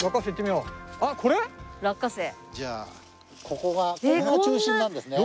ここが中心なんですね。